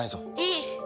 いい！